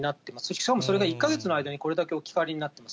しかもそれが１か月の間にこれだけ置き換わりになっています。